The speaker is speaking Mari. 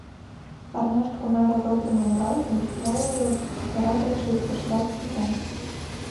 Пырняшт кунаре рок дене уралтын, молыжо чыра гай шырпешталт пытен.